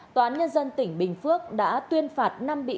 tòa án nhân dân tỉnh bình phước đã tuyên phạt năm bị can